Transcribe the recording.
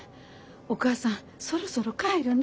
お母さんそろそろ帰るね。